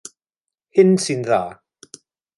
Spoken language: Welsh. Hyn sy'n dda.